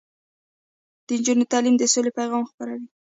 د نجونو تعلیم د سولې پیغام خپروي.